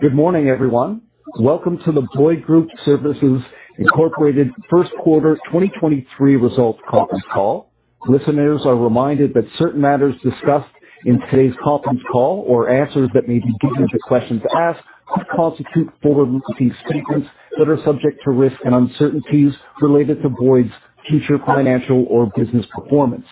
Good morning, everyone. Welcome to the Boyd Group Services Inc. First Quarter 2023 Results Conference Call. Listeners are reminded that certain matters discussed in today's conference call or answers that may be given to questions asked could constitute forward-looking statements that are subject to risks and uncertainties related to Boyd's future financial or business performance.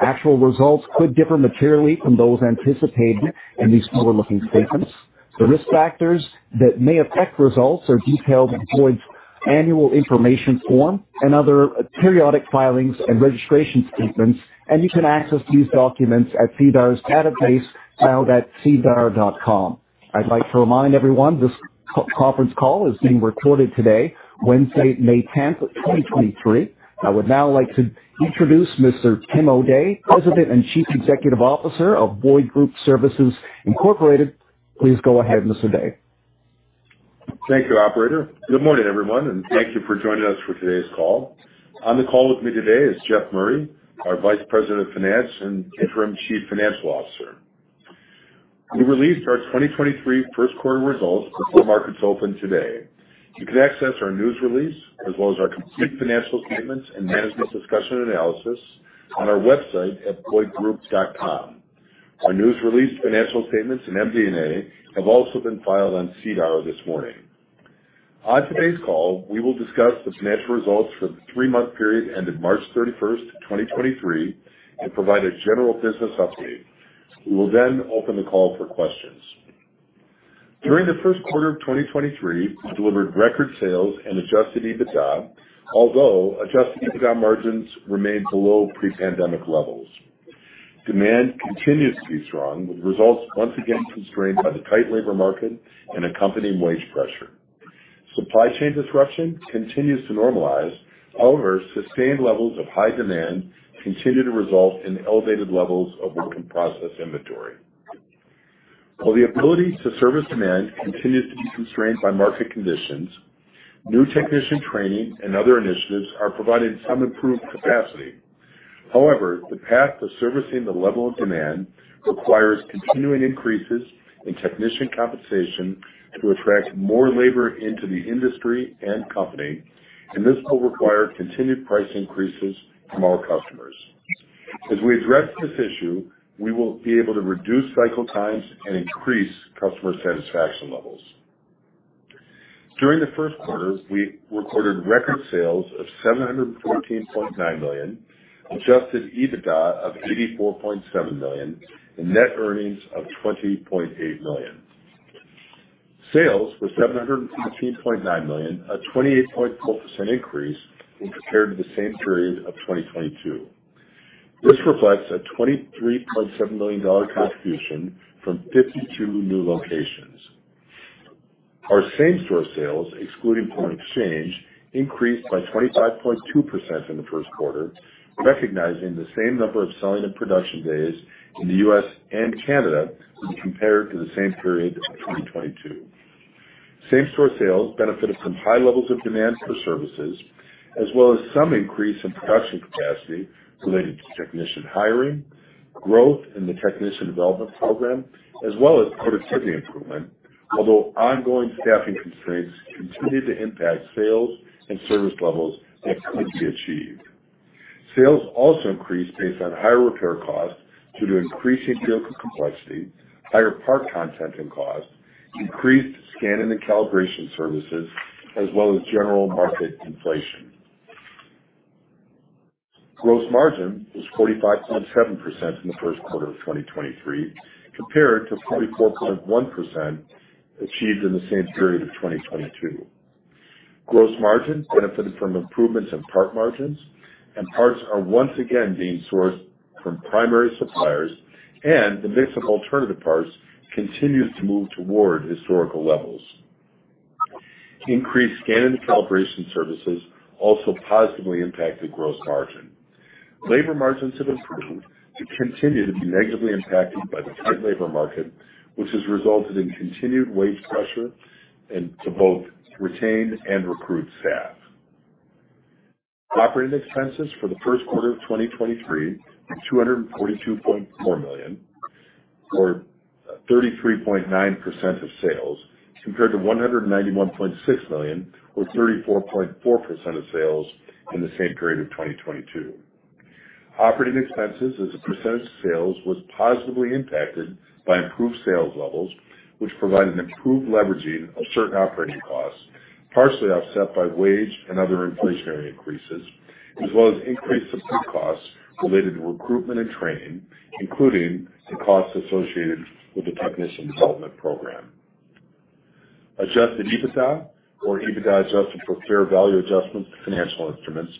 Actual results could differ materially from those anticipated in these forward-looking statements. The risk factors that may affect results are detailed in Boyd's annual information form and other periodic filings and registration statements, and you can access these documents at SEDAR's database filed at sedar.com. I'd like to remind everyone this co-conference call is being recorded today, Wednesday, May 10th, 2023. I would now like to introduce Mr. Tim O'Day, President and Chief Executive Officer of Boyd Group Services Inc.. Please go ahead, Mr. O'Day. Thank you, Operator. Good morning, everyone, thank you for joining us for today's call. On the call with me today is Jeff Murray, our Vice President of Finance and Interim Chief Financial Officer. We released our 2023 first quarter results before markets opened today. You can access our news release as well as our complete financial statements and Management Discussion and Analysis on our website at boydgroup.com. Our news release, financial statements, and MD&A have also been filed on SEDAR this morning. On today's call, we will discuss the financial results for the three-month period ended March 31st, 2023 and provide a general business update. We will open the call for questions. During the first quarter of 2023, we delivered record sales and adjusted EBITDA, although adjusted EBITDA margins remained below pre-pandemic levels. Demand continues to be strong, with results once again constrained by the tight labor market and accompanying wage pressure. Supply chain disruption continues to normalize. However, sustained levels of high demand continue to result in elevated levels of work-in-process inventory. While the ability to service demand continues to be constrained by market conditions, new technician training and other initiatives are providing some improved capacity. However, the path to servicing the level of demand requires continuing increases in technician compensation to attract more labor into the industry and company, and this will require continued price increases from our customers. As we address this issue, we will be able to reduce cycle times and increase customer satisfaction levels. During the first quarter, we recorded record sales of $714.9 million, adjusted EBITDA of $84.7 million, and net earnings of $20.8 million. Sales were $714.9 million, a 28.4% increase when compared to the same period of 2022. This reflects a $23.7 million contribution from 52 new locations. Our same-store sales, excluding foreign exchange, increased by 25.2% in the first quarter, recognizing the same number of selling and production days in the US and Canada when compared to the same period of 2022. Same-store sales benefited from high levels of demand for services as well as some increase in production capacity related to technician hiring, growth in the technician development program, as well as productivity improvement. Ongoing staffing constraints continued to impact sales and service levels that could be achieved. Sales also increased based on higher repair costs due to increasing vehicle complexity, higher part content and cost, increased scan and calibration services, as well as general market inflation. Gross margin was 45.7% in the first quarter of 2023, compared to 44.1% achieved in the same period of 2022. Gross margin benefited from improvements in part margins, and parts are once again being sourced from primary suppliers, and the mix of alternative parts continues to move toward historical levels. Increased scan and calibration services also positively impacted gross margin. Labor margins have improved but continue to be negatively impacted by the tight labor market, which has resulted in continued wage pressure and to both retain and recruit staff. Operating expenses for the first quarter of 2023, $242.4 million or 33.9% of sales, compared to $191.6 million or 34.4% of sales in the same period of 2022. Operating expenses as a % of sales was positively impacted by improved sales levels, which provided an improved leveraging of certain operating costs, partially offset by wage and other inflationary increases, as well as increased sub-cost related to recruitment and training, including the costs associated with the technician development program. Adjusted EBITDA or EBITDA adjusted for fair value adjustments to financial instruments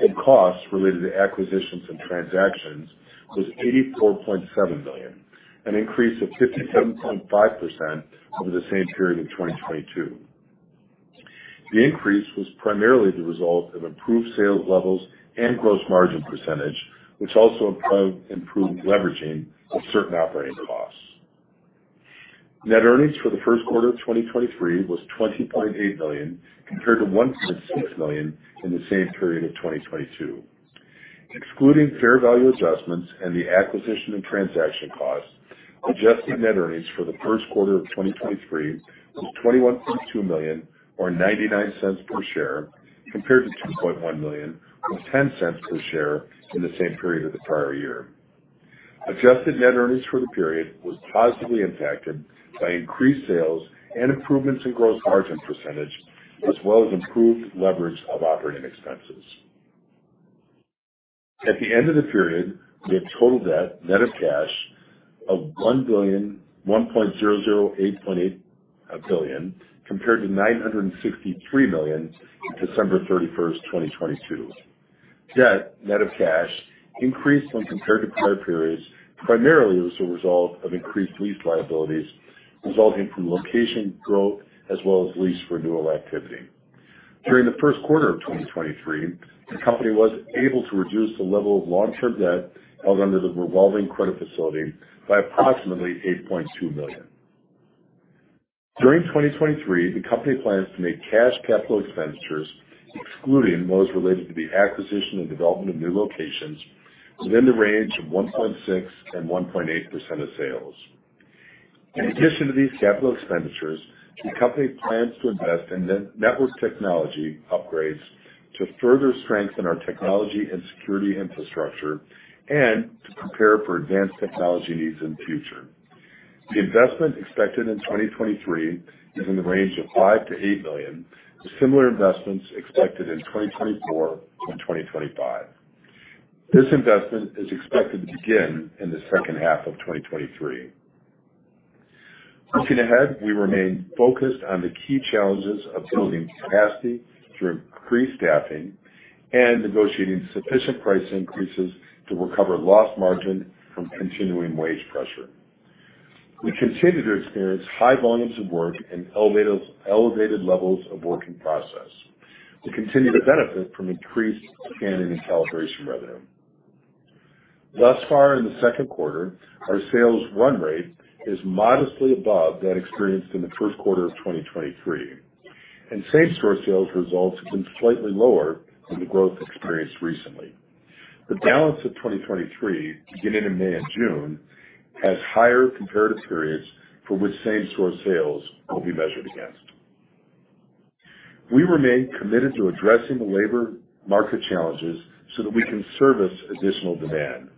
and costs related to acquisitions and transactions was $84.7 million, an increase of 57.5% over the same period of 2022. The increase was primarily the result of improved sales levels and gross margin percentage, which also improved leveraging of certain operating costs. Net earnings for the first quarter of 2023 was $20.8 million, compared to $1.6 million in the same period of 2022. Excluding fair value adjustments and the acquisition and transaction costs, adjusted net earnings for the first quarter of 2023 was $21.2 million, or $0.99 per share, compared to $2.1 million or $0.10 per share in the same period of the prior year. Adjusted net earnings for the period was positively impacted by increased sales and improvements in gross margin percentage, as well as improved leverage of operating expenses. At the end of the period, we had total debt net of cash of $1.0088 billion compared to $963 million December 31, 2022. Debt net of cash increased when compared to prior periods, primarily as a result of increased lease liabilities resulting from location growth as well as lease renewal activity. During the first quarter of 2023, the company was able to reduce the level of long-term debt held under the revolving credit facility by approximately $8.2 million. During 2023, the company plans to make cash capital expenditures, excluding those related to the acquisition and development of new locations, within the range of 1.6% and 1.8% of sales. In addition to these capital expenditures, the company plans to invest in net-network technology upgrades to further strengthen our technology and security infrastructure and to prepare for advanced technology needs in the future. The investment expected in 2023 is in the range of $5 million-$8 million, with similar investments expected in 2024 and 2025. This investment is expected to begin in the second half of 2023. Looking ahead, we remain focused on the key challenges of building capacity through increased staffing and negotiating sufficient price increases to recover lost margin from continuing wage pressure. We continue to experience high volumes of work and elevated levels of work in process. We continue to benefit from increased scanning and calibration revenue. Thus far in the second quarter, our sales run rate is modestly above that experienced in the first quarter of 2023, and same-store sales results have been slightly lower than the growth experienced recently. The balance of 2023, beginning in May and June, has higher comparative periods for which same-store sales will be measured against. We remain committed to addressing the labor market challenges so that we can service additional demand.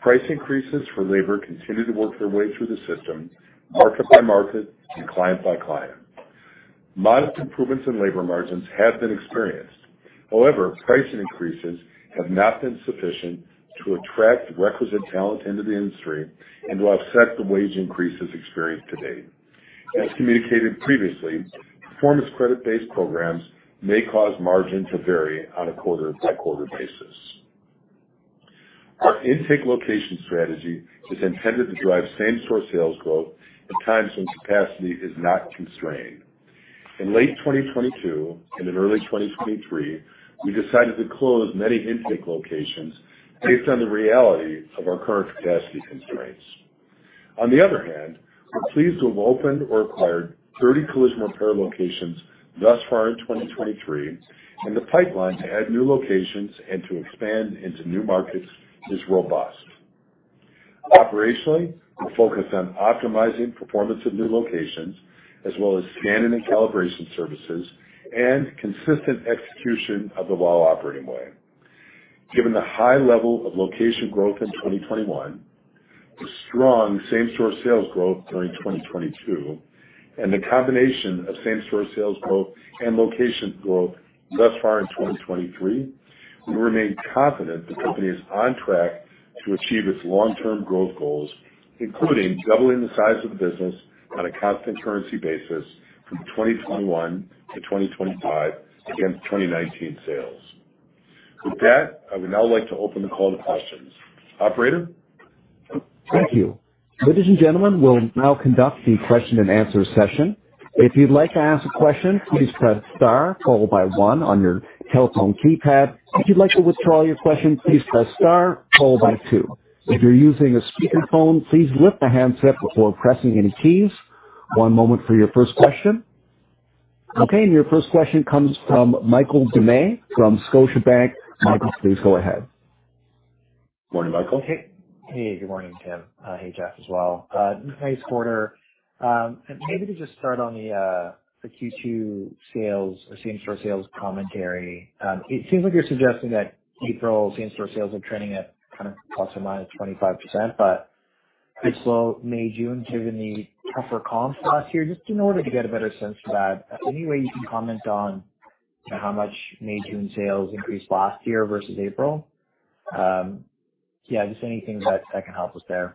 Price increases for labor continue to work their way through the system, market by market and client by client. Modest improvements in labor margins have been experienced. However, pricing increases have not been sufficient to attract requisite talent into the industry and to offset the wage increases experienced to date. As communicated previously, performance credit-based programs may cause margin to vary on a quarter-by-quarter basis. Our intake location strategy is intended to drive same-store sales growth at times when capacity is not constrained. In late 2022 and in early 2023, we decided to close many intake locations based on the reality of our current capacity constraints. We're pleased to have opened or acquired 30 collision repair locations thus far in 2023, and the pipeline to add new locations and to expand into new markets is robust. Operationally, we're focused on optimizing performance of new locations as well as scanning and calibration services and consistent execution of the WOW Operating Way. Given the high level of location growth in 2021, the strong same-store sales growth during 2022, and the combination of same-store sales growth and location growth thus far in 2023, we remain confident the company is on track to achieve its long-term growth goals, including doubling the size of the business on a constant currency basis from 2021 to 2025 against 2019 sales. With that, I would now like to open the call to questions. Operator? Thank you. Ladies and gentlemen, we'll now conduct the question-and-answer session. If you'd like to ask a question, please press star followed by one on your telephone keypad. If you'd like to withdraw your question, please press star followed by two. If you're using a speakerphone, please lift the handset before pressing any keys. One moment for your first question. Okay. Your first question comes from Michael Doumet from Scotiabank. Michael, please go ahead. Morning, Michael. Hey. Good morning, Tim. Hey, Jeff, as well. Nice quarter. Maybe to just start on the Q2 sales or same-store sales commentary. It seems like you're suggesting that April same-store sales are trending at kind of ±25%. Pretty slow May, June, given the tougher comps last year. Just in order to get a better sense for that, any way you can comment on how much May, June sales increased last year versus April? Yeah, just anything that can help us there.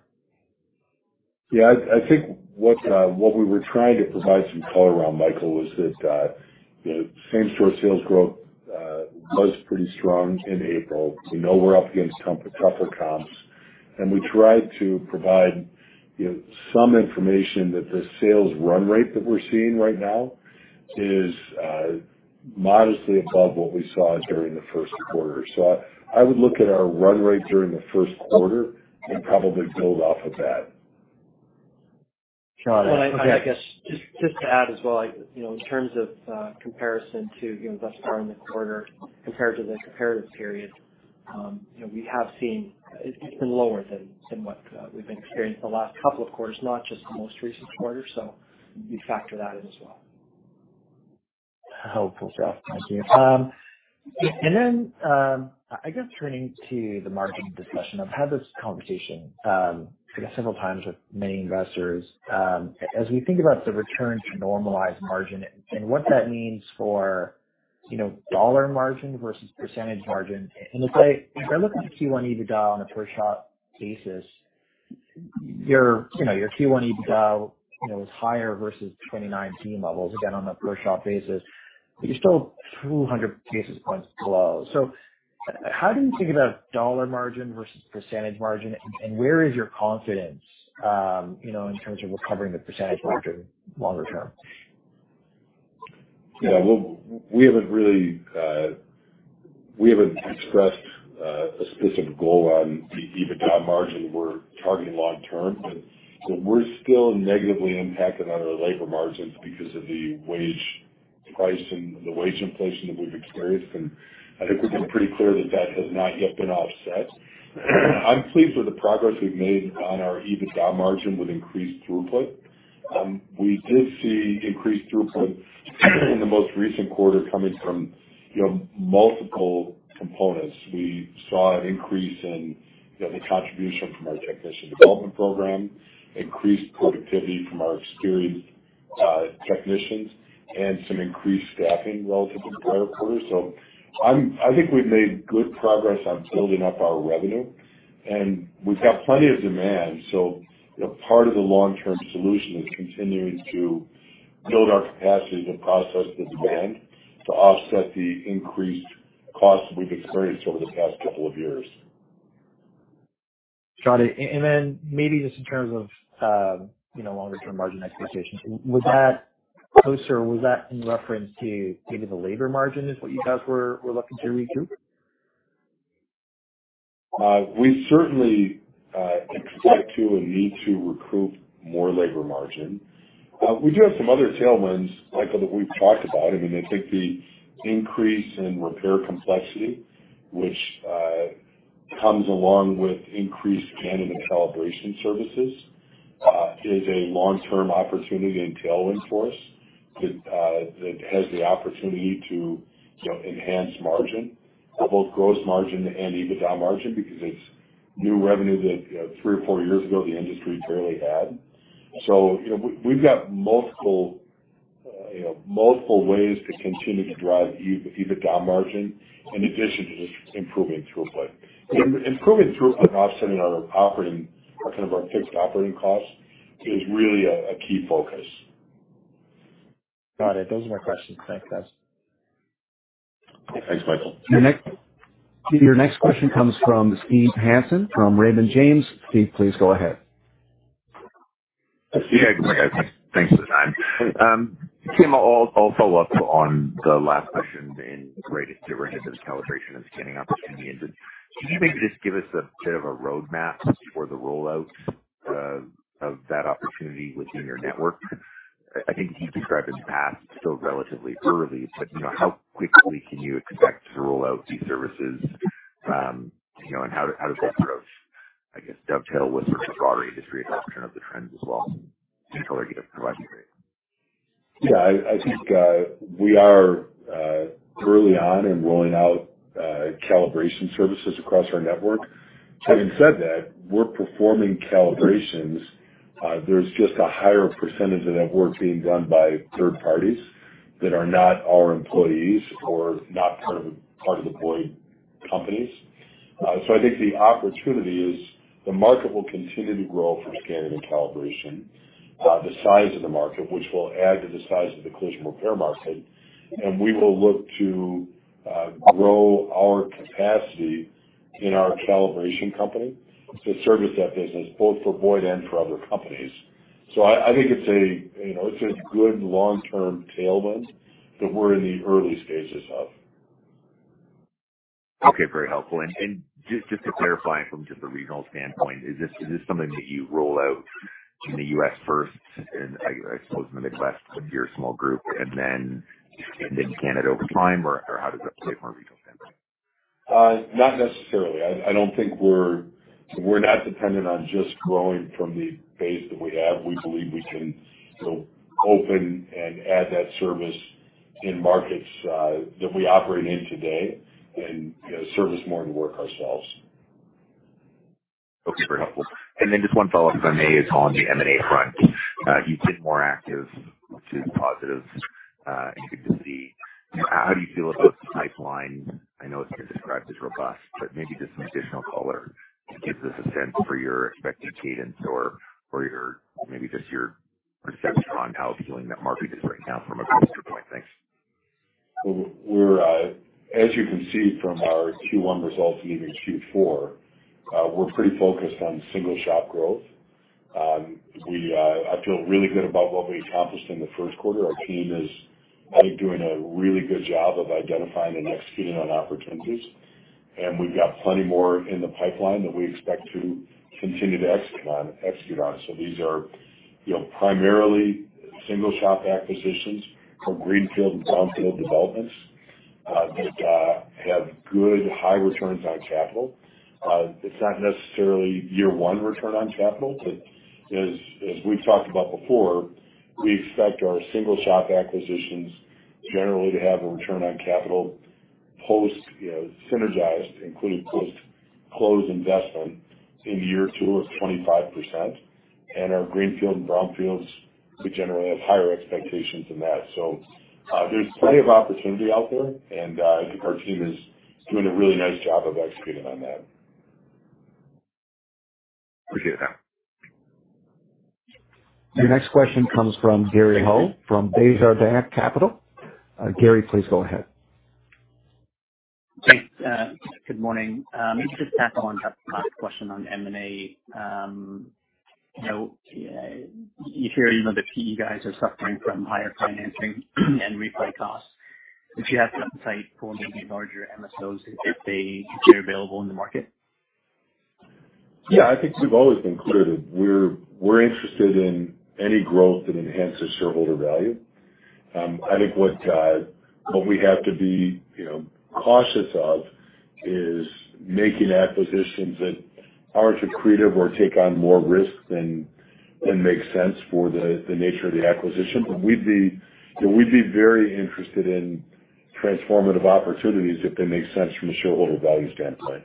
I think what we were trying to provide some color around, Michael, was that, you know, same-store sales growth was pretty strong in April. We know we're up against tougher comps, and we tried to provide, you know, some information that the sales run rate that we're seeing right now is modestly above what we saw during the first quarter. I would look at our run rate during the first quarter and probably build off of that. Got it. I guess just to add as well, you know, in terms of comparison to, you know, thus far in the quarter compared to the comparative period, you know, we have seen it's been lower than what we've experienced the last couple of quarters, not just the most recent quarter. You factor that in as well. Helpful, Ralph. Thank you. I guess turning to the margin discussion. I've had this conversation, I guess several times with many investors. As we think about the return to normalized margin and what that means for, you know, dollar margin versus percentage margin. If I, if I look at the Q1 EBITDA on a per shot basis, your, you know, your Q1 EBITDA, you know, is higher versus 2019 levels, again on a per shot basis, but you're still 200 basis points below. How do you think about dollar margin versus percentage margin? Where is your confidence, you know, in terms of recovering the percentage margin longer term? Well, we haven't really, we haven't expressed a specific goal on the EBITDA margin we're targeting long term, but we're still negatively impacted on our labor margins because of the wage price and the wage inflation that we've experienced. I think we've been pretty clear that that has not yet been offset. I'm pleased with the progress we've made on our EBITDA margin with increased throughput. We did see increased throughput in the most recent quarter coming from, you know, multiple components. We saw an increase in, you know, the contribution from our technician development program, increased productivity from our experienced technicians and some increased staffing relative to the prior quarter. I think we've made good progress on building up our revenue, and we've got plenty of demand. You know, part of the long-term solution is continuing to build our capacity to process this demand to offset the increased costs we've experienced over the past couple of years. Got it. Then maybe just in terms of, you know, longer term margin expectations. Was that closer? Was that in reference to maybe the labor margin is what you guys were looking to recoup? We certainly expect to and need to recoup more labor margin. We do have some other tailwinds, Michael, that we've talked about. I mean, I think the increase in repair complexity, which comes along with increased scanning and calibration services, is a long-term opportunity and tailwind for us that has the opportunity to, you know, enhance margin, both gross margin and EBITDA margin because it's new revenue that three or four years ago the industry barely had. You know, we've got multiple, you know, multiple ways to continue to drive EBITDA margin in addition to just improving throughput. Improving throughput and offsetting our operating or kind of our fixed operating costs is really a key focus. Got it. Those are my questions. Thanks, guys. Thanks, Michael. Your next question comes from Steve Hansen from Raymond James. Steve, please go ahead. Yeah. Thanks for the time. Tim, a follow-up on the last question in regard to calibration and scanning opportunities. Can you maybe just give us a bit of a roadmap for the rollout of that opportunity within your network? I think you've described in the past it's still relatively early, but you know, how quickly can you expect to roll out these services, you know, and how does that approach, I guess, dovetail with sort of the broader industry adoption of the trends as well in the collaborative supply stream? Yeah, I think we are early on in rolling out calibration services across our network. Having said that, we're performing calibrations. There's just a higher percentage of that work being done by third parties that are not our employees or not kind of part of the Boyd companies. I think the opportunity is the market will continue to grow for scanning and calibration, the size of the market, which will add to the size of the collision repair market. We will look to grow our capacity in our calibration company to service that business both for Boyd and for other companies. I think it's a, you know, it's a good long-term tailwind that we're in the early stages of. Okay. Very helpful. Just to clarify from just a regional standpoint, is this something that you roll out in the U.S. first and I suppose in the Midwest with your small group and then Canada over time? Or how does that play from a regional standpoint? Not necessarily. We're not dependent on just growing from the base that we have. We believe we can, you know, open and add that service in markets that we operate in today and, you know, service more of the work ourselves. Okay. Very helpful. Then just one follow-up, if I may, is on the M&A front. You've been more active, which is positive, and good to see. How do you feel about the pipeline? I know it's been described as robust, but maybe just some additional color to give us a sense for your expected cadence or your, maybe just your perception on how appealing that market is right now from a Boyd's point. Thanks. As you can see from our Q1 results and even Q4, we're pretty focused on single shop growth. I feel really good about what we accomplished in the first quarter. Our team is, I think, doing a really good job of identifying and executing on opportunities. We've got plenty more in the pipeline that we expect to continue to execute on. These are, you know, primarily single shop acquisitions for greenfield and brownfield developments that have good high returns on capital. It's not necessarily year one return on capital, but as we've talked about before, we expect our single shop acquisitions generally to have a return on capital post, you know, synergized, including post-close investment in year two of 25%. Our greenfield and brownfields, we generally have higher expectations than that. There's plenty of opportunity out there, and I think our team is doing a really nice job of executing on that. Appreciate that. Your next question comes from Gary Ho from Desjardins Securities. Gary, please go ahead. Thanks. Good morning. Maybe just to tack on Jeff's last question on M&A. You hear the PE guys are suffering from higher financing and redeployment costs. Do you have some insight for maybe larger MSOs if they're available in the market? Yeah, I think we've always been clear that we're interested in any growth that enhances shareholder value. I think what we have to be, you know, cautious of is making acquisitions that aren't accretive or take on more risk than makes sense for the nature of the acquisition. You know, we'd be very interested in transformative opportunities if they make sense from a shareholder value standpoint.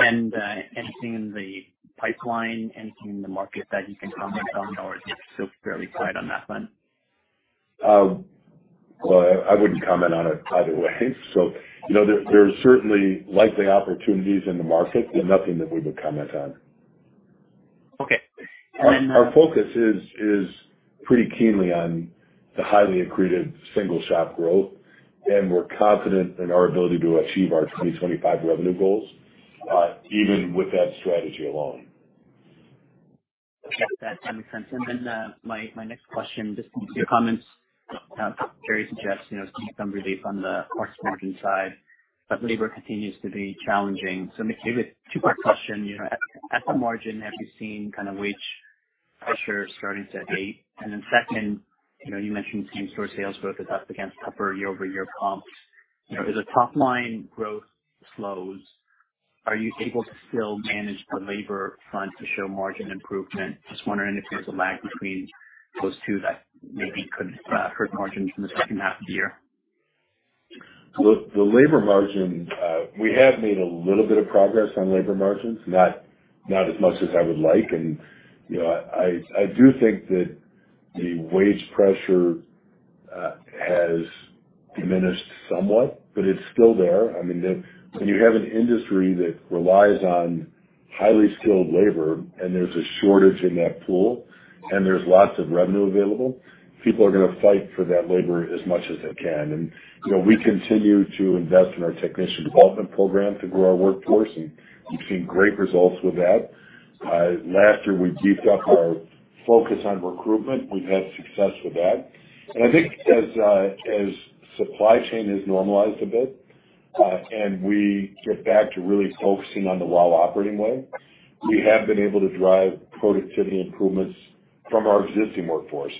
Anything in the pipeline, anything in the market that you can comment on, or is it still fairly quiet on that front? Well, I wouldn't comment on it either way. You know, there's certainly likely opportunities in the market, but nothing that we would comment on. Okay. Our focus is pretty keenly on the highly accretive single shop growth, and we're confident in our ability to achieve our 2025 revenue goals, even with that strategy alone. That makes sense. My next question, just from your comments, Gary suggests, you know, some relief on the parts margin side, but labor continues to be challenging. Maybe a two-part question. You know, at the margin, have you seen kind of wage pressure starting to abate? Second, you know, you mentioned same-store sales growth is up against tougher year-over-year comps. You know, as the top line growth slows, are you able to still manage the labor front to show margin improvement? Just wondering if there's a lag between those two that maybe could hurt margins in the second half of the year. Look, the labor margin, we have made a little bit of progress on labor margins, not as much as I would like. You know, I do think that the wage pressure has diminished somewhat, but it's still there. I mean, when you have an industry that relies on highly skilled labor and there's a shortage in that pool, and there's lots of revenue available, people are gonna fight for that labor as much as they can. You know, we continue to invest in our technician development program to grow our workforce, and we've seen great results with that. Last year, we beefed up our focus on recruitment. We've had success with that. I think as supply chain has normalized a bit, and we get back to really focusing on the WOW Operating Way, we have been able to drive productivity improvements from our existing workforce.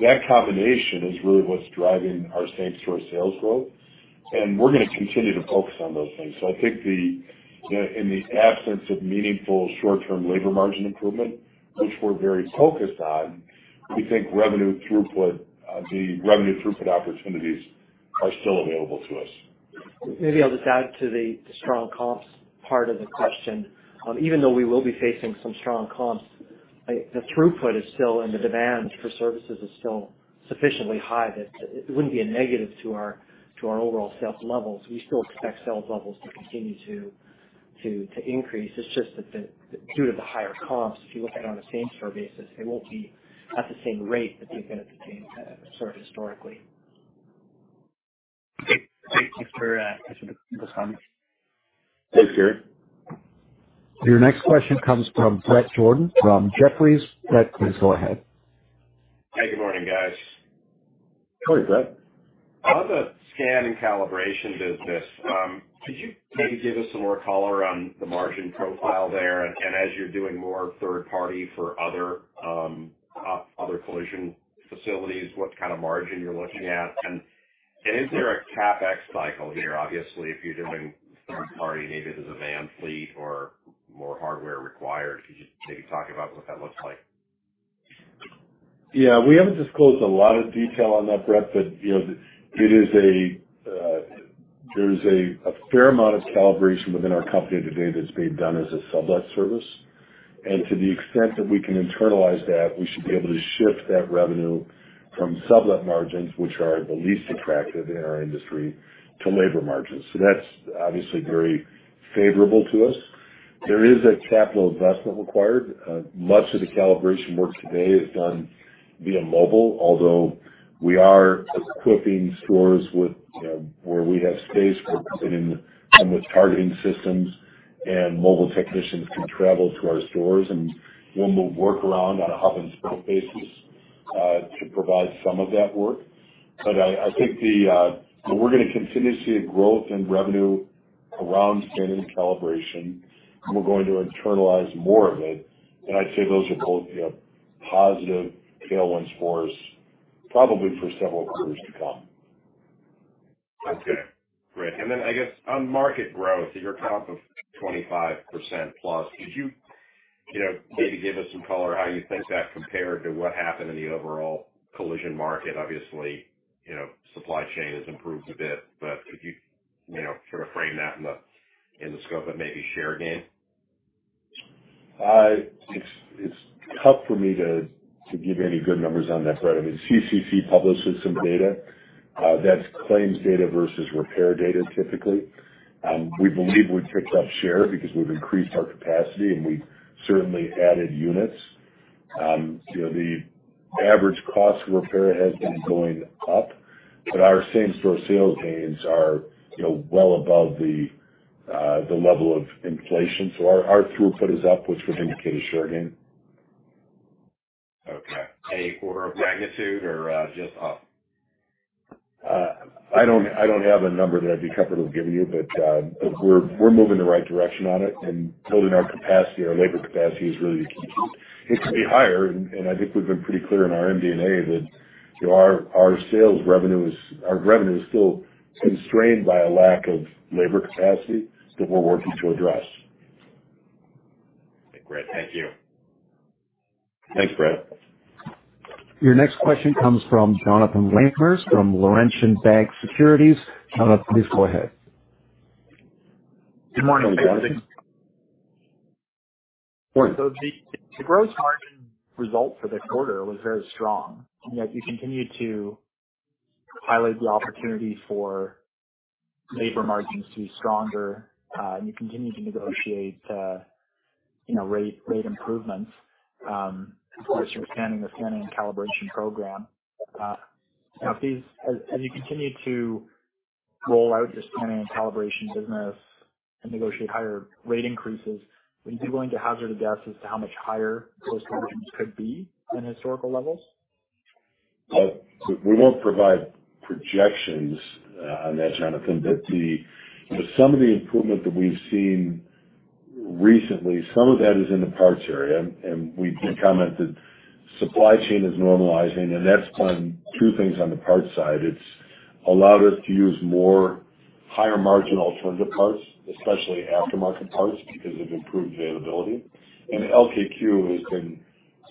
That combination is really what's driving our same-store sales growth, and we're gonna continue to focus on those things. I think in the absence of meaningful short-term labor margin improvement, which we're very focused on, we think revenue throughput, the revenue throughput opportunities are still available to us. Maybe I'll just add to the strong comps part of the question. Even though we will be facing some strong comps, the throughput is still and the demand for services is still sufficiently high that it wouldn't be a negative to our, to our overall sales levels. We still expect sales levels to continue to increase. It's just that due to the higher costs, if you look at it on a same store basis, it won't be at the same rate that they've been at the same sort of historically. Okay. Thank you for touching on those comments. Thanks, Gary. Your next question comes from Bret Jordan from Jefferies. Bret, please go ahead. Hey, good morning, guys. Morning, Bret. On the scan and calibration business, could you maybe give us some more color on the margin profile there? As you're doing more third party for other collision facilities, what kind of margin you're looking at? Is there a CapEx cycle here? Obviously, if you're doing third party, maybe there's a van fleet or more hardware required. Could you maybe talk about what that looks like? Yeah. We haven't disclosed a lot of detail on that, Bret, but, you know, it is a... there's a fair amount of calibration within our company today that's being done as a sublet service. To the extent that we can internalize that, we should be able to shift that revenue from sublet margins, which are the least attractive in our industry, to labor margins. That's obviously very favorable to us. There is a capital investment required. Much of the calibration work today is done via mobile, although we are equipping stores with, you know, where we have space for putting in some of the targeting systems, and mobile technicians can travel to our stores and do a mobile workaround on a hub and spoke basis to provide some of that work. I think the we're gonna continue to see a growth in revenue around scanning and calibration. We're going to internalize more of it. I'd say those are both, you know, positive tailwinds for us probably for several quarters to come. Okay, great. I guess on market growth at your comp of 25% plus, could you know, maybe give us some color how you think that compared to what happened in the overall collision market? Obviously, you know, supply chain has improved a bit, could you know, sort of frame that in the, in the scope of maybe share gain? It's tough for me to give you any good numbers on that, Bret. I mean, CCC publishes some data that's claims data versus repair data, typically. We believe we've picked up share because we've increased our capacity, and we've certainly added units. You know, the average cost of repair has been going up, but our same-store sales gains are, you know, well above the level of inflation. Our throughput is up, which would indicate a share gain. Okay. Any order of magnitude or, just up? I don't have a number that I'd be comfortable giving you, but we're moving in the right direction on it and building our capacity, our labor capacity is really the key. It could be higher, and I think we've been pretty clear in our MD&A that, you know, our revenue is still constrained by a lack of labor capacity that we're working to address. Great. Thank you. Thanks, Bret. Your next question comes from Jonathan Lamers from Laurentian Bank Securities. Jonathan, please go ahead. Good morning. Morning. The gross margin result for the quarter was very strong, and yet you continue to highlight the opportunity for labor margins to be stronger, and you continue to negotiate, you know, rate improvements, as you're expanding the scanning and calibration program. Now as you continue to roll out your scanning and calibration business and negotiate higher rate increases, would you be willing to hazard a guess as to how much higher those margins could be than historical levels? We won't provide projections on that, Jonathan, some of the improvement that we've seen recently, some of that is in the parts area. We've been commented supply chain is normalizing, and that's been two things on the parts side. It's allowed us to use more higher margin alternative parts, especially aftermarket parts, because of improved availability. LKQ has been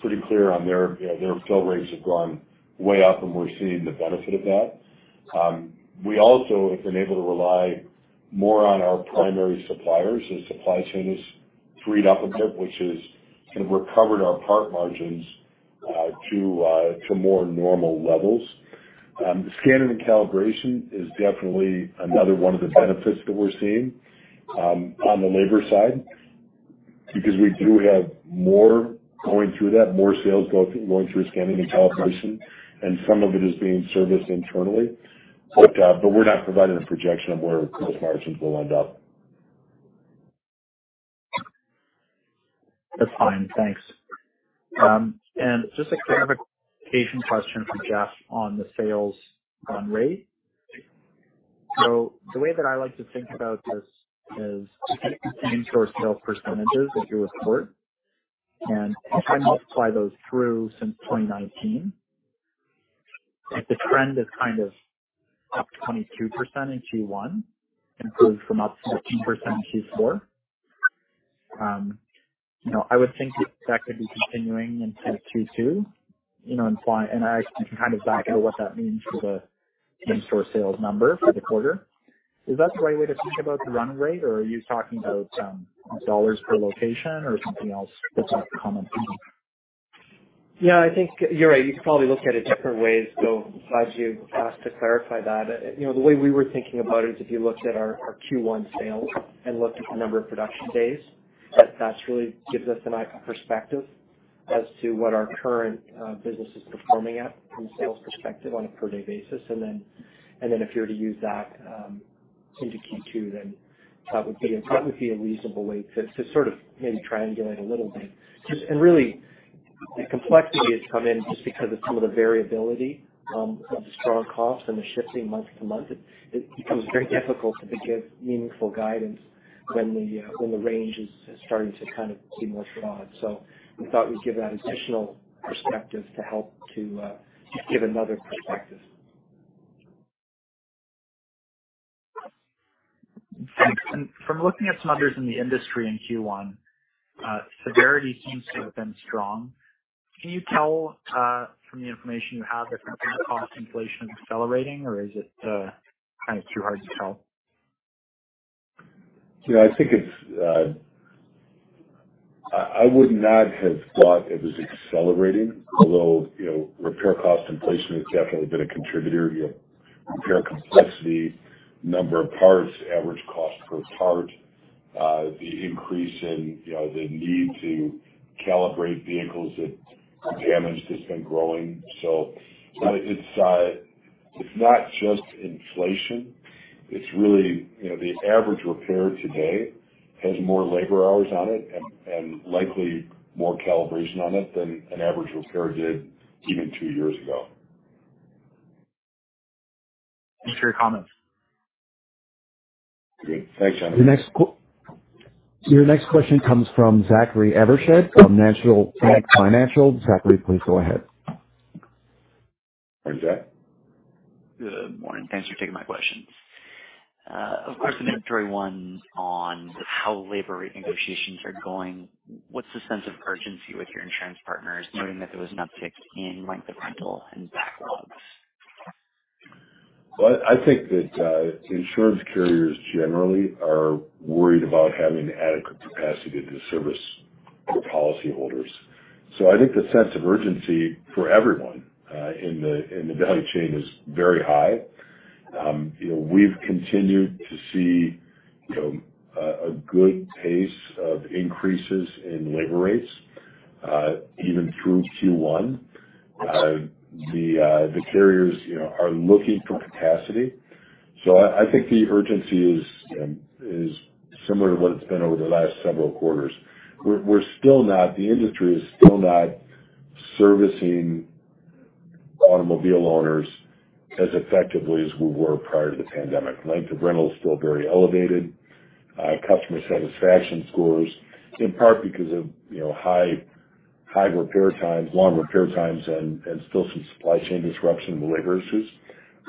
pretty clear on their, you know, their fill rates have gone way up, and we're seeing the benefit of that. We also have been able to rely more on our primary suppliers as supply chain has freed up a bit, which has kind of recovered our part margins to more normal levels. The scanning and calibration is definitely another one of the benefits that we're seeing on the labor side because we do have more going through that, more sales going through scanning and calibration, and some of it is being serviced internally. We're not providing a projection of where those margins will end up. That's fine. Thanks. Just a clarification question for Jeff on the sales run rate. The way that I like to think about this is same-store sales percentages in your report, if I multiply those through since 2019, the trend is kind of up 22% in Q1, improved from up 16% in Q4. You know, I would think that that could be continuing into Q2, you know, I can kind of back out what that means for the same-store sales number for the quarter. Is that the right way to think about the run rate, or are you talking about dollars per location or something else that's not coming through? Yeah, I think you're right. You could probably look at it different ways, though, as you ask to clarify that. You know, the way we were thinking about it is if you looked at our Q1 sales and looked at the number of production days, that really gives us a perspective as to what our current business is performing at from a sales perspective on a per day basis. Then if you were to use that into Q2, that would be a reasonable way to sort of maybe triangulate a little bit. Really the complexity has come in just because of some of the variability of the strong costs and the shifting month to month. It becomes very difficult to give meaningful guidance when the range is starting to kind of be more broad. We thought we'd give that additional perspective to help to give another perspective. Thanks. From looking at some others in the industry in Q1, severity seems to have been strong. Can you tell from the information you have, if something like cost inflation is accelerating, or is it kind of too hard to tell? You know, I think it's, I would not have thought it was accelerating. Although, you know, repair cost inflation has definitely been a contributor. You have repair complexity, number of parts, average cost per part, the increase in, you know, the need to calibrate vehicles that the damage that's been growing. It's, it's not just inflation. It's really, you know, the average repair today has more labor hours on it and likely more calibration on it than an average repair did even two years ago. Thanks for your comments. Great. Thanks, Jonathan. Your next question comes from Zachary Evershed of National Bank Financial. Zachary, please go ahead. Hi, Zach. Good morning. Thanks for taking my questions. Of course, an introductory one on how labor negotiations are going. What's the sense of urgency with your insurance partners knowing that there was an uptick in length of rental and backlogs? I think that insurance carriers generally are worried about having adequate capacity to service their policyholders. I think the sense of urgency for everyone in the value chain is very high. You know, we've continued to see, you know, a good pace of increases in labor rates even through Q1. The carriers, you know, are looking for capacity. I think the urgency is similar to what it's been over the last several quarters. The industry is still not servicing automobile owners as effectively as we were prior to the pandemic. Length of rental is still very elevated. customer satisfaction scores, in part because of, you know, high repair times, long repair times and still some supply chain disruption and labor issues,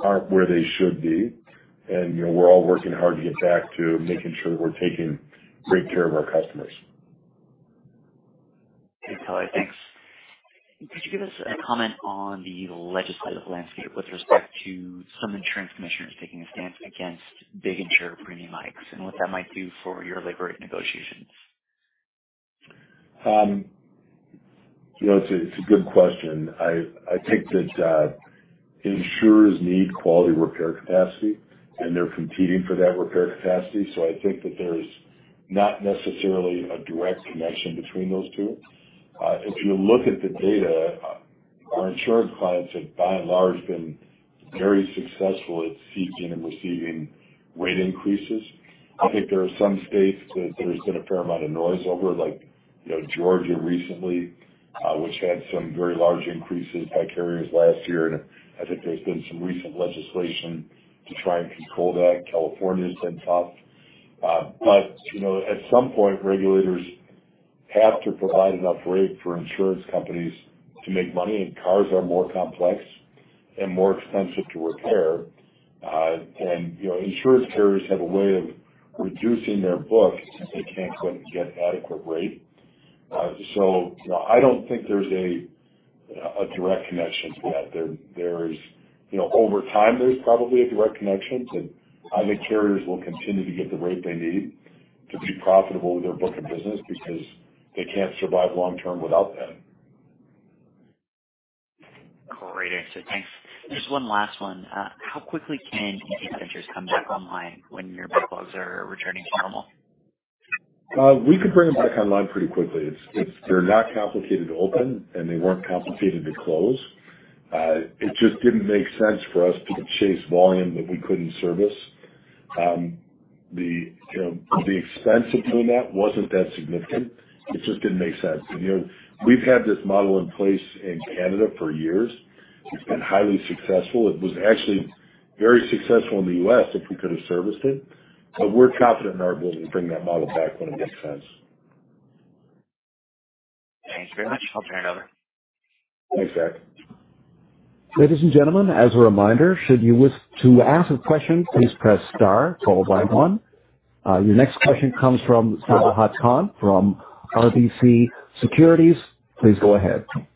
aren't where they should be. You know, we're all working hard to get back to making sure that we're taking great care of our customers. Okay, Tyler, thanks. Could you give us a comment on the legislative landscape with respect to some insurance commissioners taking a stance against big insurer premium hikes and what that might do for your labor negotiations? You know, it's a, it's a good question. I think that insurers need quality repair capacity, and they're competing for that repair capacity. I think that there's not necessarily a direct connection between those two. If you look at the data, our insured clients have, by and large, been very successful at seeking and receiving rate increases. I think there are some states that there's been a fair amount of noise over, like, you know, Georgia recently, which had some very large increases by carriers last year. I think there's been some recent legislation to try and control that. California's been tough. You know, at some point, regulators have to provide enough rate for insurance companies to make money, and cars are more complex and more expensive to repair. You know, insurance carriers have a way of reducing their books if they can't go out and get adequate rate. You know, I don't think there's a direct connection to that. There is. You know, over time, there's probably a direct connection, but I think carriers will continue to get the rate they need to be profitable with their book of business because they can't survive long term without that. Great answer. Thanks. Just one last one. How quickly can MAS centers come back online when your backlogs are returning to normal? We could bring them back online pretty quickly. They're not complicated to open, and they weren't complicated to close. It just didn't make sense for us to chase volume that we couldn't service. The, you know, the expense of doing that wasn't that significant. It just didn't make sense. You know, we've had this model in place in Canada for years. It's been highly successful. It was actually very successful in the US if we could have serviced it. We're confident in our ability to bring that model back when it makes sense. Thanks very much. I'll turn it over. Thanks, Zach. Ladies and gentlemen, as a reminder, should you wish to ask a question, please press star followed by one. Your next question comes from Sajid Hanjra from RBC Capital Markets. Please go ahead. Hi,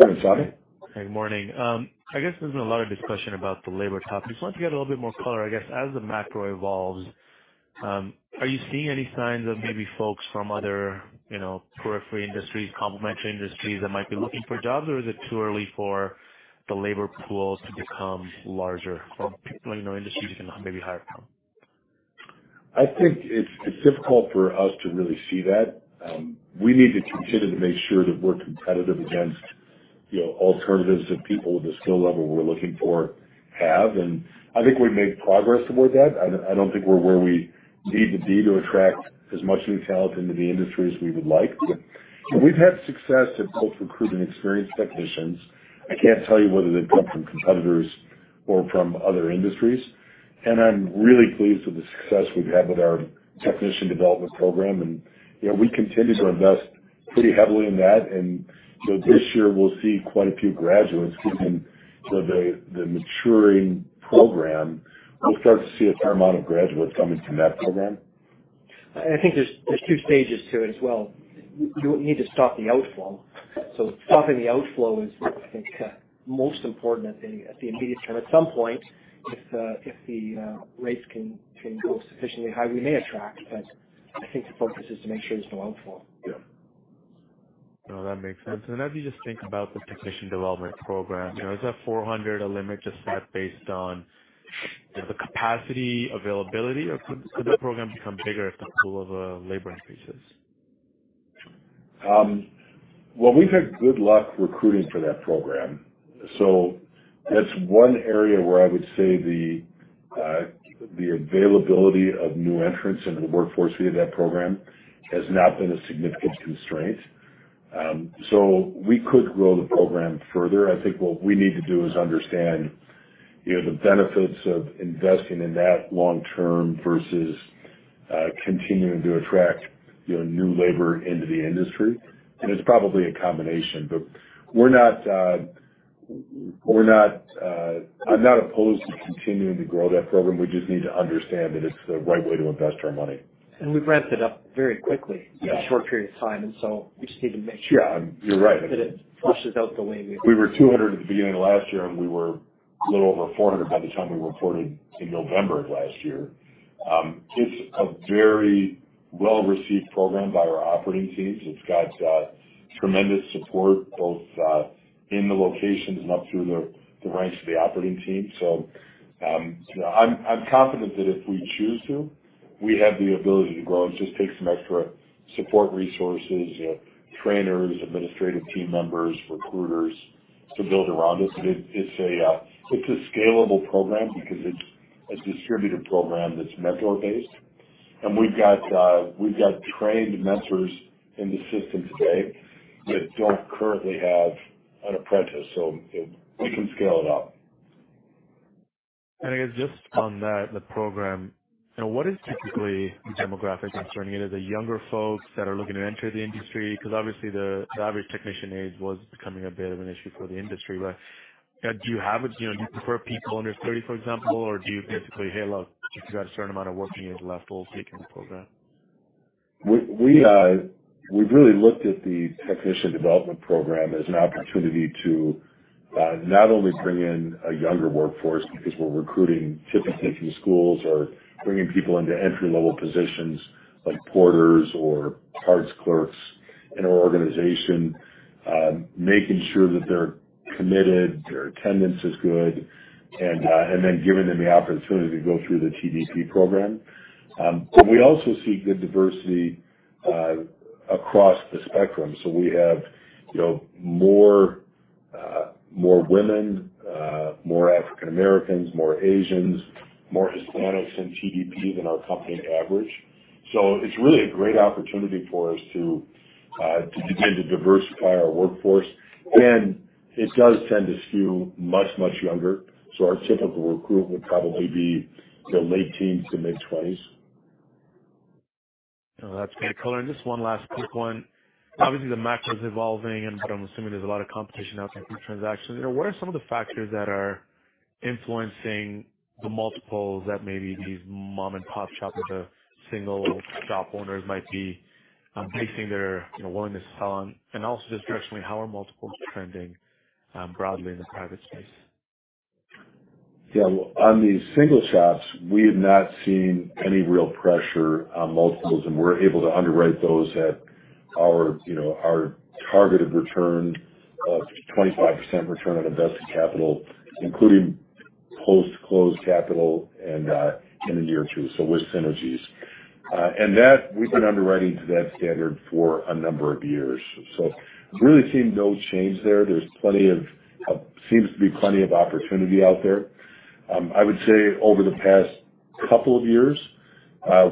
Sajid. Hey, good morning. I guess there's been a lot of discussion about the labor topic. Just wanted to get a little bit more color, I guess. As the macro evolves, are you seeing any signs of maybe folks from other, you know, periphery industries, complementary industries that might be looking for jobs? Or is it too early for the labor pool to become larger or, you know, industries you can maybe hire from? I think it's difficult for us to really see that. We need to continue to make sure that we're competitive against, you know, alternatives that people with the skill level we're looking for have. I think we've made progress toward that. I don't think we're where we need to be to attract as much new talent into the industry as we would like. We've had success at both recruiting experienced technicians. I can't tell you whether they've come from competitors or from other industries. I'm really pleased with the success we've had with our technician development program. You know, we continue to invest pretty heavily in that. This year we'll see quite a few graduates come in with the maturing program. We'll start to see a fair amount of graduates come into that program. I think there's two stages to it as well. You need to stop the outflow. Stopping the outflow is, I think, most important at the immediate term. At some point, if the rates can go sufficiently high, we may attract, but I think the focus is to make sure there's no outflow. Yeah. No, that makes sense. As you just think about the technician development program, you know, is that 400 a limit just set based on the capacity availability, or could that program become bigger if the pool of labor increases? Well, we've had good luck recruiting for that program. That's one area where I would say the availability of new entrants into the workforce via that program has not been a significant constraint. We could grow the program further. I think what we need to do is understand, you know, the benefits of investing in that long term versus continuing to attract, you know, new labor into the industry. It's probably a combination, but we're not, we're not, I'm not opposed to continuing to grow that program. We just need to understand that it's the right way to invest our money. We've ramped it up very quickly. Yeah. in a short period of time, and so we just need to make sure- Yeah, you're right. that it flushes out the way we- We were 200 at the beginning of last year. We were a little over 400 by the time we reported in November of last year. It's a very well-received program by our operating teams. It's got tremendous support both in the locations and up through the ranks of the operating team. You know, I'm confident that if we choose to, we have the ability to grow. It just takes some extra support resources, trainers, administrative team members, recruiters to build around it. It's a scalable program because it's a distributed program that's mentor-based. We've got trained mentors in the system today that don't currently have an apprentice, so we can scale it up. I guess just on that, the program, you know, what is typically the demographic concerning it? Is it younger folks that are looking to enter the industry? Because obviously the average technician age was becoming a bit of an issue for the industry. Do you know, do you prefer people under 30, for example? Or do you basically, "Hey, look, if you've got a certain amount of working age left, we'll take you in the program. We've really looked at the technician development program as an opportunity to not only bring in a younger workforce because we're recruiting typically from schools or bringing people into entry-level positions like porters or parts clerks in our organization, making sure that they're committed, their attendance is good, and then giving them the opportunity to go through the TDP program. We also see good diversity across the spectrum. We have, you know, more women, more African Americans, more Asians, more Hispanics in TDP than our company average. It's really a great opportunity for us to begin to diversify our workforce. It does tend to skew much, much younger. Our typical recruit would probably be, you know, late teens to mid-20s. No, that's great, Cullen. Just one last quick one. Obviously, the macro is evolving but I'm assuming there's a lot of competition out there for transactions. You know, what are some of the factors that are influencing the multiples that maybe these mom-and-pop shops with the single shop owners might be basing their, you know, willingness to sell on? Also just generally, how are multiples trending broadly in the private space? Well, on the single shops, we have not seen any real pressure on multiples, and we're able to underwrite those at our, you know, our targeted return of 25% return on invested capital, including post-close capital in a year or two, with synergies. That, we've been underwriting to that standard for a number of years. Really seeing no change there. There's plenty of opportunity out there. I would say over the past couple of years,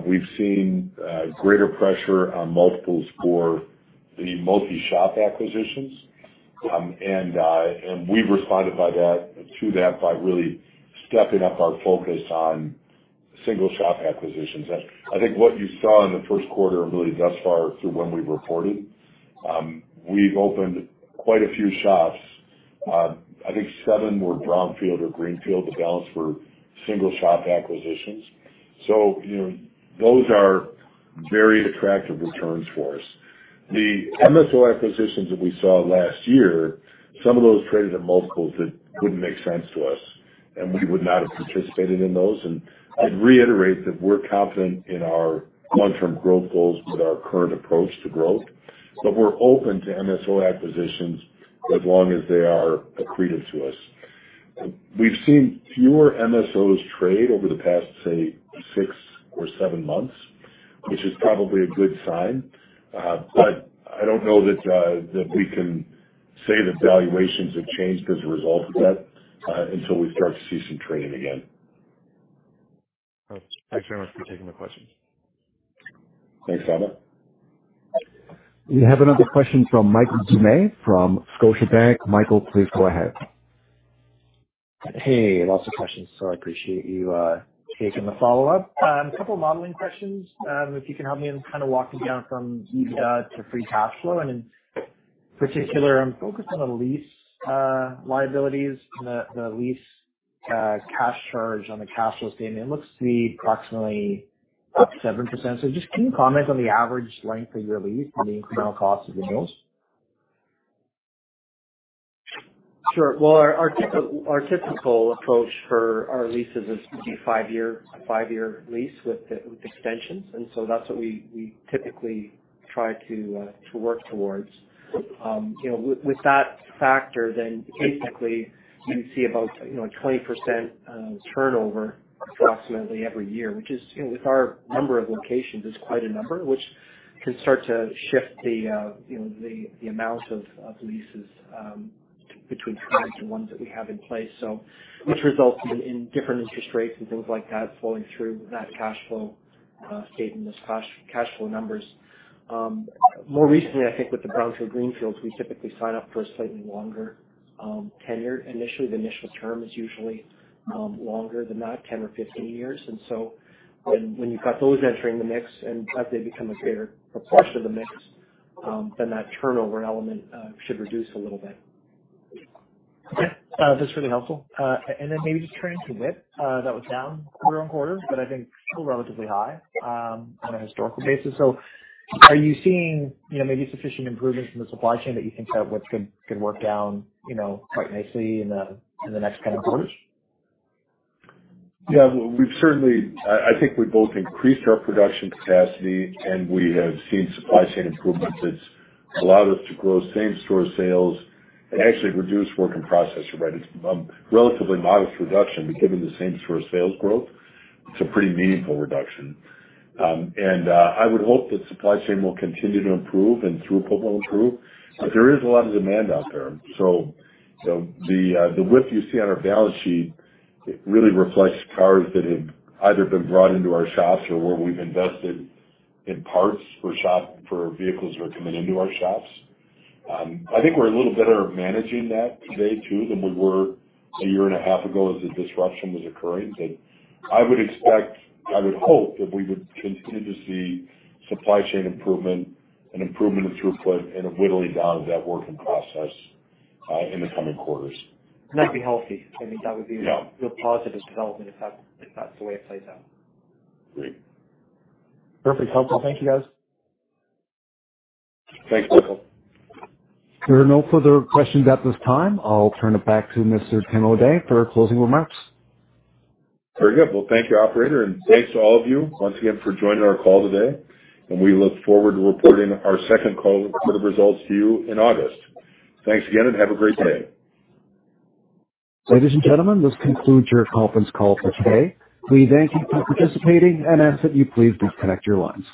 we've seen greater pressure on multiples for the multi-shop acquisitions. We've responded to that by really stepping up our focus on single shop acquisitions. I think what you saw in the first quarter and really thus far through when we've reported, we've opened quite a few shops. I think seven were brownfield or greenfield. The balance were single shop acquisitions. You know, those are very attractive returns for us. The MSO acquisitions that we saw last year, some of those traded at multiples that wouldn't make sense to us, and we would not have participated in those. I'd reiterate that we're confident in our long-term growth goals with our current approach to growth, but we're open to MSO acquisitions as long as they are accretive to us. We've seen fewer MSOs trade over the past, say, six or seven months, which is probably a good sign. I don't know that we can say that valuations have changed as a result of that until we start to see some trading again. Thanks very much for taking the questions. Thanks, Evan. We have another question from Michael Doumet from Scotiabank. Michael, please go ahead. Lots of questions, I appreciate you taking the follow-up. A couple of modeling questions, if you can help me in kind of walking down from EBITDA to free cash flow, and in particular, I'm focused on the lease liabilities and the lease cash charge on the cash flow statement. It looks to be approximately up 7%. Can you comment on the average length of your lease and the incremental costs of the bills? Sure. Well, our typical approach for our leases is to be 5-year, a 5-year lease with extensions. That's what we typically try to work towards. You know, with that factor, then basically you see about, you know, a 20% turnover approximately every year, which is, you know, with our number of locations is quite a number, which can start to shift the, you know, the amount of leases between current and ones that we have in place. Which results in different interest rates and things like that flowing through that cash flow statement, those cash flow numbers. More recently, I think with the brownfield greenfields, we typically sign up for a slightly longer tenure. Initially, the initial term is usually longer than that, 10 or 15 years. When, when you've got those entering the mix, and as they become a greater proportion of the mix, then that turnover element should reduce a little bit. Okay. That's really helpful. Then maybe just turning to WIP, that was down quarter on quarter, but I think still relatively high on a historical basis. Are you seeing, you know, maybe sufficient improvements in the supply chain that you think that WIP could work down, you know, quite nicely in the next kind of quarters? We've certainly, I think we both increased our production capacity, and we have seen supply chain improvements that's allowed us to grow same-store sales and actually reduce work in process, right? It's relatively modest reduction, but given the same-store sales growth, it's a pretty meaningful reduction. I would hope that supply chain will continue to improve and throughput will improve. There is a lot of demand out there. You know, the WIP you see on our balance sheet really reflects cars that have either been brought into our shops or where we've invested in parts for shop, for vehicles that are coming into our shops. I think we're a little better at managing that today too than we were a year and a half ago as the disruption was occurring. I would expect, I would hope that we would continue to see supply chain improvement and improvement in throughput and a whittling down of that work in process in the coming quarters. That'd be healthy. I think that would. Yeah. a real positive development if that, if that's the way it plays out. Great. Perfect. Helpful. Thank you, guys. Thanks, Michael. There are no further questions at this time. I'll turn it back to Mr. Tim O'Day for closing remarks. Very good. Well, thank you, operator, and thanks to all of you once again for joining our call today. I look forward to reporting our second quarter results to you in August. Thanks again, and have a great day. Ladies and gentlemen, this concludes your conference call for today. We thank you for participating and ask that you please disconnect your lines.